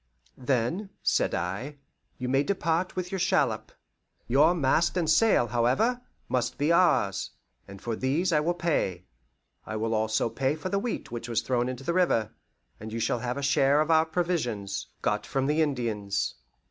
"Then," said I, "you may depart with your shallop. Your mast and sail, however, must be ours; and for these I will pay. I will also pay for the wheat which was thrown into the river, and you shall have a share of our provisions, got from the Indians."